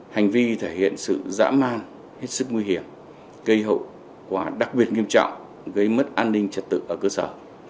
hành vi thể hiện sự dã man hết sức nguy hiểm gây hậu quả đặc biệt nghiêm trọng gây mất an ninh trật tự ở cơ sở